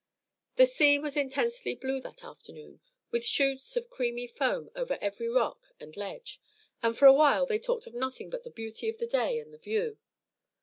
The sea was intensely blue that afternoon, with shoots of creamy foam over every rock and ledge, and for a while they talked of nothing but the beauty of the day and the view.